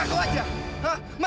panggil leni saja